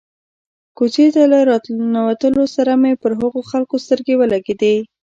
کوڅې ته له را ننوتلو سره مې پر هغو خلکو سترګې ولګېدې.